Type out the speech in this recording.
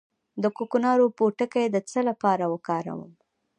د کوکنارو پوټکی د څه لپاره وکاروم؟